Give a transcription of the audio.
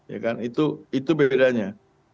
ya kan itu bedanya